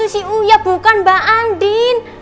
si oya bukan mbak andien